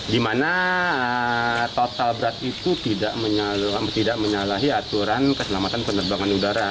di mana total berat itu tidak menyalahi aturan keselamatan penerbangan udara